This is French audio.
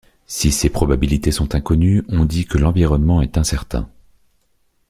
Si ces probabilités sont inconnues, on dit que l'environnement est incertain.